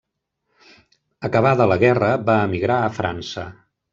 Acabada la guerra va emigrar a França.